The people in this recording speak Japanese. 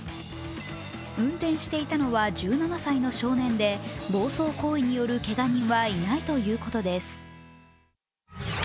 運転していたのは１７歳の少年で暴走行為によるけが人はいないということです。